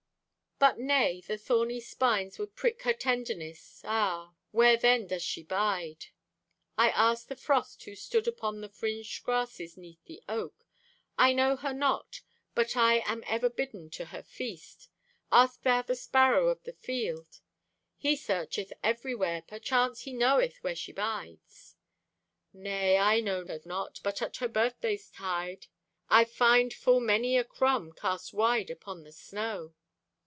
But nay, The thorny spines would prick her tenderness. Ah, where then doth she bide? I asked the frost who stood Upon the fringéd grasses 'neath the oak. "I know her not, but I Am ever bidden to her feast. Ask thou the sparrow of the field. He searcheth everywhere; perchance He knoweth where she bides." "Nay, I know her not, But at her birthday's tide I find full many a crumb Cast wide upon the snow."